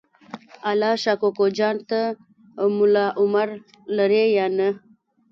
الله شا کوکو جان ته ملا عمر لرې یا نه؟